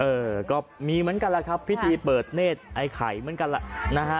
เออก็มีเหมือนกันแหละครับพิธีเปิดเนธไอ้ไข่เหมือนกันแหละนะฮะ